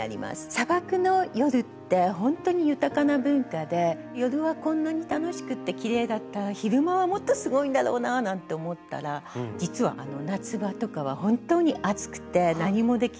砂漠の夜ってほんとに豊かな文化で夜はこんなに楽しくてきれいだったら昼間はもっとすごいんだろうななんて思ったら実は夏場とかは本当に暑くて何もできずに。